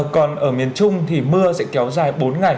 còn ở miền trung thì mưa sẽ kéo dài bốn ngày